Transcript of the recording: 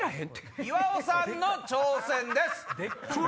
岩尾さんの挑戦です。